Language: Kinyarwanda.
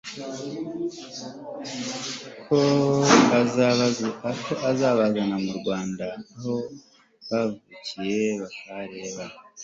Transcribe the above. ko azabazana mu Rwanda aho bavukiye bakahareba